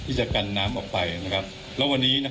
คุณผู้ชมไปฟังผู้ว่ารัฐกาลจังหวัดเชียงรายแถลงตอนนี้ค่ะ